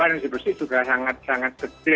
karena kontribusi juga sangat sangat kecil